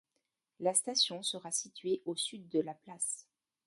La station sera située au sud de la place.